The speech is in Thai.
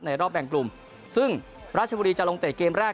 รอบแบ่งกลุ่มซึ่งราชบุรีจะลงเตะเกมแรก